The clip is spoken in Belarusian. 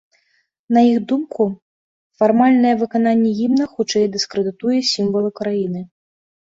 На іх думку, фармальнае выкананне гімна хутчэй дыскрэдытуе сімвалы краіны.